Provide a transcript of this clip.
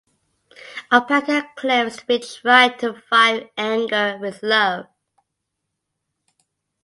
Opelka claims to be trying to fight anger with love.